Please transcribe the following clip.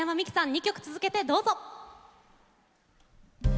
２曲続けてどうぞ！